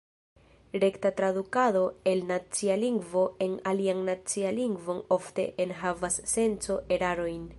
Rekta tradukado el nacia lingvo en alian nacian lingvon ofte enhavas senco-erarojn.